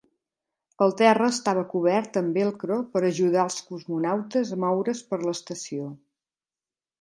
El terra estava cobert amb Velcro per ajudar als cosmonautes a moure's per l'estació.